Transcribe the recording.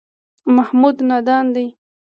محمود نادان دی.